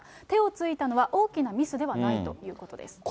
手をついたのは、大きなミスではないということです。